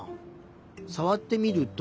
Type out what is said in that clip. さわってみると。